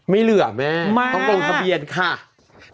ไม่เหลือแม่ต้องลงทะเบียนค่ะ